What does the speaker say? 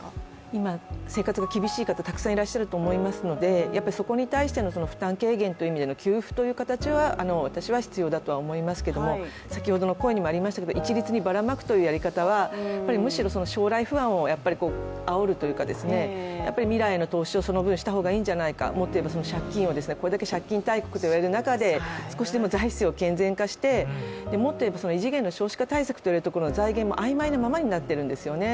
今、生活が厳しい方たくさんいらっしゃると思いますのでそこに対しての負担軽減という意味での給付という形は私は必要だと思いますけど先ほどの声にもありましたけれども一律にばらまくというやり方は、むしろ将来不安をあおるというか未来への投資をその分した方がいいんじゃないか、もっと言えば借金をこれだけ借金大国と言われる中で財政を顕在化して、もっといえば異次元の少子化対策といわれるところの財源も曖昧なままになっているんですよね。